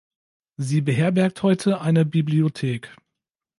Sie beherbergt heute eine Bibliothek.